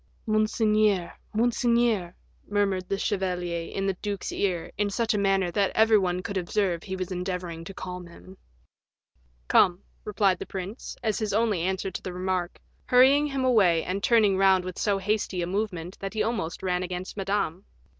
"Monseigneur, monseigneur," murmured the chevalier in the duke's ear, in such a manner that every one could observe he was endeavoring to calm him. "Come," replied the prince, as his only answer to the remark, hurrying him away, and turning round with so hasty a movement that he almost ran against Madame.